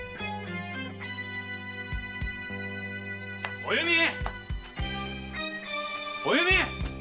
お弓！お弓！